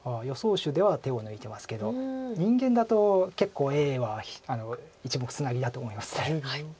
手では手を抜いてますけど人間だと結構Ａは１目ツナギだと思います。